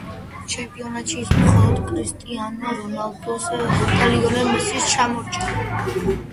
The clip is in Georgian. ჩემპიონატში ის მხოლოდ კრისტიანო რონალდოს და ლიონელ მესის ჩამორჩა.